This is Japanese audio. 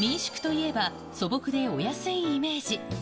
民宿といえば、素朴でお安いイメージ。